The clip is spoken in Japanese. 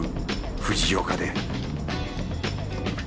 藤岡で。